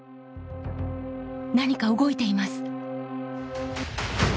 何か動いています！